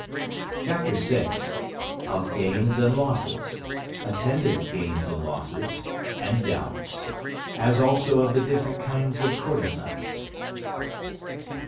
CHAPTER VI. OF GAINS AND LOSSES; ATTENDANT GAINS AND LOSSES; AND DOUBTS; AS ALSO OF THE DIFFERENT KINDS OF COURTESANS.